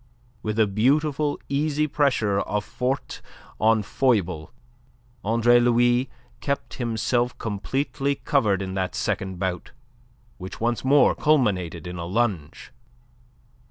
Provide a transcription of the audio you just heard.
With a beautiful, easy pressure of forte on foible Andre Louis kept himself completely covered in that second bout, which once more culminated in a lunge.